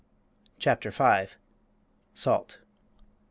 CHAPTER V. SALT.